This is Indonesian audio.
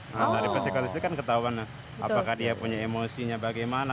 nah dari psiko listrik kan ketahuan apakah dia punya emosinya bagaimana